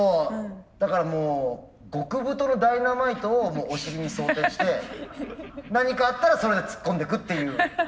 だからもう極太のダイナマイトをお尻に装して何かあったらそれで突っ込んでくっていう。